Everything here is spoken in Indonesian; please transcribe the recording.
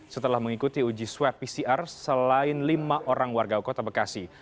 setelah mengikuti uji swab pcr selain lima orang warga kota bekasi